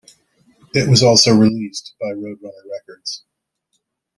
It was also released by Roadrunner Records.